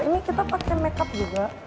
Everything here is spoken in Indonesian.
ini kita pakai make up juga